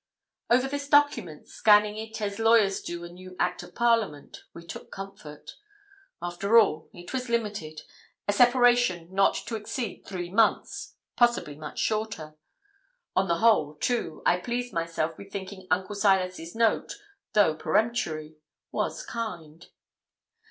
Over this document, scanning it as lawyers do a new Act of Parliament, we took comfort. After all, it was limited; a separation not to exceed three months, possibly much shorter. On the whole, too, I pleased myself with thinking Uncle Silas's note, though peremptory, was kind.